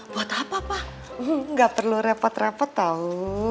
buat apa pak nggak perlu repot repot tau